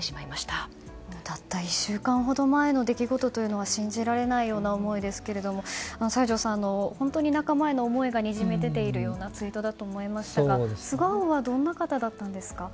たった１週間ほど前の出来事というのは信じられないような思いですが西条さん、仲間への思いがにじみ出ているようなツイートだと思いますが素顔はどんな方だったんですか？